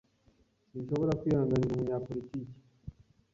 Sinshobora kwihanganira umunyapolitiki.